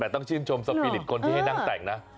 แต่ต้องชื่นชมสปีริตคนที่ให้นั่งแต่งนะ